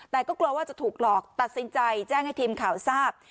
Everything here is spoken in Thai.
แต่ก็กลัวว่าจะถูกหลอกตัดสินใจแจ้งให้ทีมข่าวทราบ